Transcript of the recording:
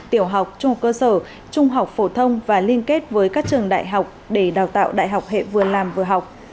tiểu học trung cơ sở trung học phổ thông và liên kết với các trường đại học để đào tạo đại học hệ vừa làm vừa học